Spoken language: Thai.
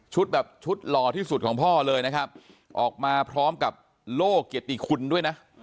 แบบชุดหล่อที่สุดของพ่อเลยนะครับออกมาพร้อมกับโลกเกียรติคุณด้วยนะ